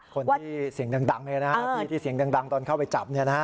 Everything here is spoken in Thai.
คนที่เสียงดังเลยนะครับที่เสียงดังตอนเข้าไปจับเนี่ยนะครับ